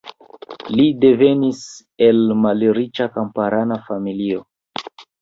Li devenis el malriĉa kamparana familio.